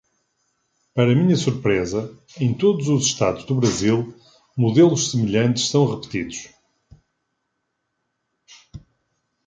Para minha surpresa, em todos os estados do Brasil, modelos semelhantes são repetidos.